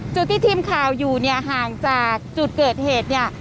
จุดที่ทีมข่าวอยู่เนี่ยห่างจากจุดเกิดเหตุเนี่ย